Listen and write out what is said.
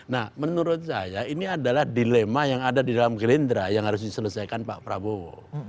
nah menurut saya ini adalah dilema yang ada di dalam gerindra yang harus diselesaikan pak prabowo